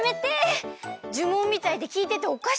じゅもんみたいできいてておかしくなりそう！